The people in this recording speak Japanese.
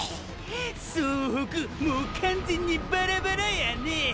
総北もう完全にバラバラやね！！